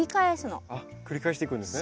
繰り返していくんですね。